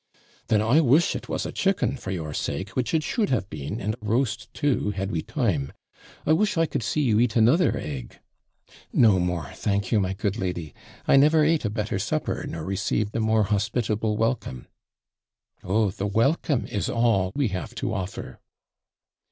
'Then I wish it was a chicken for your sake, which it should have been, and roast too, had we time. I wish I could see you eat another egg.' 'No more, thank you, my good lady; I never ate a better supper, nor received a more hospitable welcome.' 'Oh, the welcome is all we have to offer.'